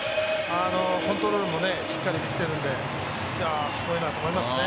コントロールもしっかりできてるんで、すごいなと思いますね。